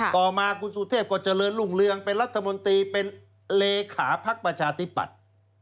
ต่อมาคุณสุเทพก็เจริญรุ่งเรืองเป็นรัฐมนตรีเป็นเลขาพักประชาธิปัตย์